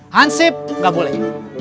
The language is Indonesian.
hansip gak boleh